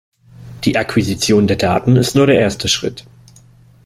Die Akquisition der Daten ist nur der erste Schritt.